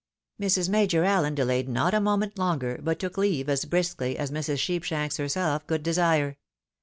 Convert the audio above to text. Mrs. Major Allen delayed not a moment longer, but took leave as briskly as Mrs. Sheepshanks herself could desire.